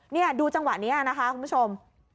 นี่ดูจังหวะนี้นะคะคุณผู้ชม